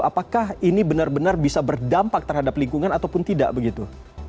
apakah ini benar benar bisa berdampak terhadap lingkungan ataupun tidak begitu